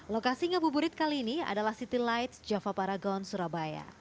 lokasi ngabu burit kali ini adalah city lights jawa paragon surabaya